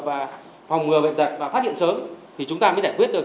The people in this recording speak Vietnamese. và phòng ngừa bệnh tật và phát hiện sớm thì chúng ta mới giải quyết được